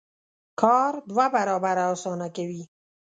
کار دوه برابره اسانه کوي.